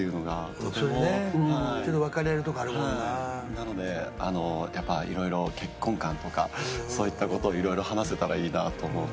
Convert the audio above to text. なのでやっぱいろいろ結婚観とかそういった事をいろいろ話せたらいいなと思って。